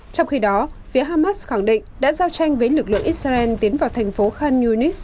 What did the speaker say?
trong khi đó phía hamas khẳng định đã giao tranh với lực lượng israel tiến vào thành phố khan yunis